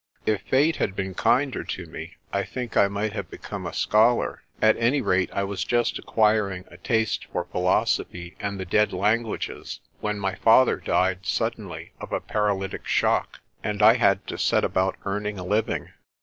If Fate had been kinder to me, I think I might have be come a scholar. At any rate I was just acquiring a taste for philosophy and the dead languages when my father died suddenly of a paralytic shock, and I had to set about earn ing a living.